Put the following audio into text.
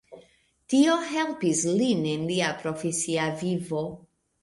Tio helpis lin en lia profesia vivo.